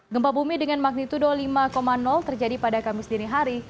gempa bumi dengan magnitudo lima terjadi pada kamis dinihari